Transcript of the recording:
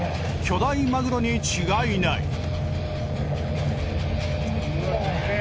巨大マグロに違いない！